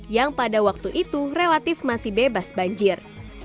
yang pada waktu itu relatif masih bebas banjir